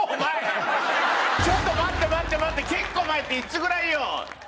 ちょっと待って待って待って結構前っていつぐらいよ！？